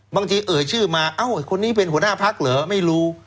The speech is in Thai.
เอ่ยชื่อมาเอ้าคนนี้เป็นหัวหน้าพักเหรอไม่รู้